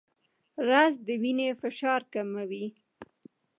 رس د وینې فشار کموي